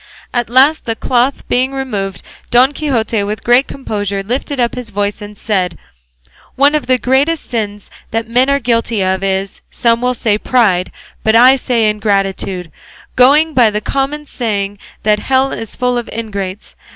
At last the cloth being removed, Don Quixote with great composure lifted up his voice and said: "One of the greatest sins that men are guilty of is some will say pride but I say ingratitude, going by the common saying that hell is full of ingrates.